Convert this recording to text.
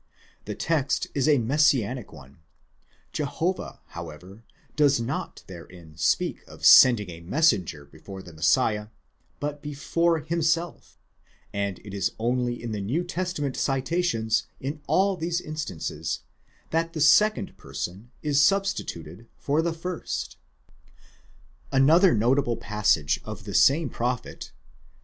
The text is a messianic one; Jehovah, however, does not therein speak of send ing a messenger before the Messiah, but before himself: and it is only in the New Testament citations in all these instances that the second person (cov) is substituted for the first (°28?). Another notable passage of the same prophet (iii.